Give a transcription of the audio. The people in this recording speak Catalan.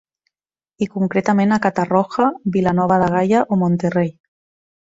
I concretament a Catarroja, Vila Nova de Gaia o Monterrey.